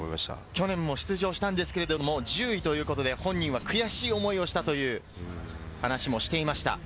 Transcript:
去年も出場したんですが１０位ということで、本人は悔しい思いをしたと話をしていました。